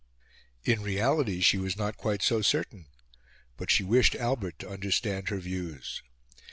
In reality, she was not quite so certain; but she wished Albert to understand her views.